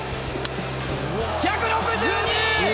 １６２！